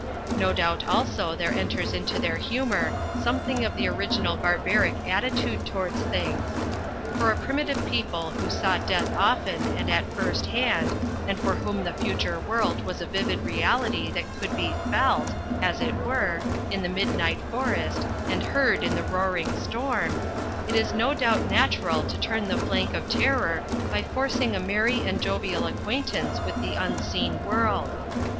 No doubt also there enters into their humour something of the original barbaric attitude towards things. For a primitive people who saw death often and at first hand, and for whom the future world was a vivid reality that could be felt, as it were, in the midnight forest and heard in the roaring storm, it was no doubt natural to turn the flank of terror by forcing a merry and jovial acquaintance with the unseen world.